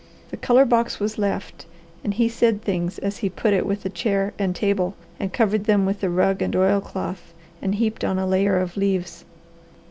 The colour box was left, and he said things as he put it with the chair and table, covered them with the rug and oilcloth, and heaped on a layer of leaves.